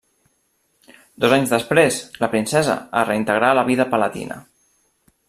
Dos anys després, la princesa es reintegrà a la vida palatina.